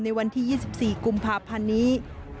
ในวันที่๒๔กุมภาพันธ์นี้